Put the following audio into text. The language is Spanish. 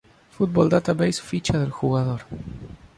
Football Database Ficha del jugador.